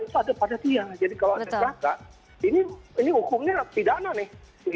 itu ada pada tiang jadi kalau ada keselamatan ini hukumnya pidana nih